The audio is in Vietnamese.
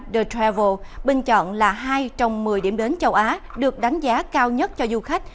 the travel bình chọn là hai trong một mươi điểm đến châu á được đánh giá cao nhất cho du khách